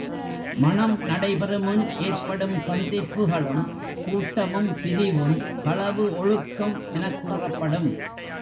மணம் நடைபெறுமுன் ஏற்படும் சந்திப்புகளும், கூட்டமும், பிரிவும் களவு ஒழுக்கம் எனக் கூறப்படும்.